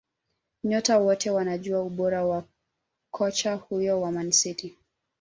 Nyota wote wanajua ubora wa kocha huyo wa Man City